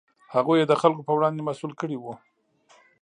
هغوی یې د خلکو په وړاندې مسوول کړي وو.